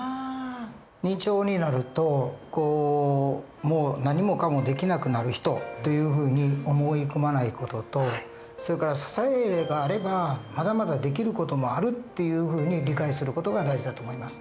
認知症になるともう何もかもできなくなる人というふうに思い込まない事とそれから支えがあればまだまだできる事もあるっていうふうに理解する事が大事だと思います。